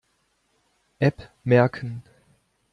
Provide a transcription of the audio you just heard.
App merken.